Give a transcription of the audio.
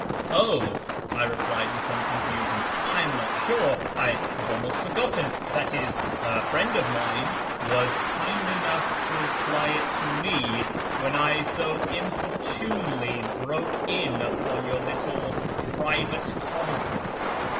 " Oh," I replied in some confusion, " I am not sure — I have almost forgotten — That is, a friend of mine ""— was kind enough to apply it to me when I so inopportunely broke in upon your little private conference."